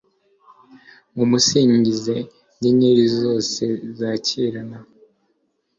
mumusingize nyenyeri zose zakirana